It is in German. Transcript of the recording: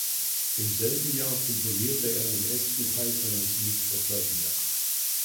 Im selben Jahr komponierte er den ersten Teil seiner Suite für Klavier.